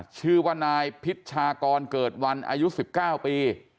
ชื่อว่านายพิชชากรเกิดวันอายุ๑๙ปี